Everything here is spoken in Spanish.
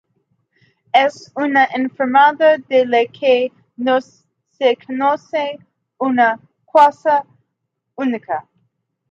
Es una enfermedad de la que no se conoce una causa única.